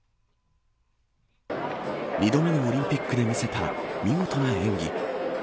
２度目のオリンピックで見せた見事な演技。